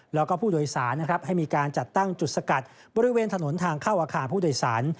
แล้วก็ผู้โดยสารนะครับให้มีการจัดตั้งจุดสกัดบริเวณถนนทางเข้าอาคารผู้โดยสาร